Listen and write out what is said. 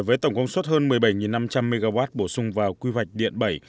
với tổng công suất hơn một mươi bảy năm trăm linh mw bổ sung vào quy hoạch điện bảy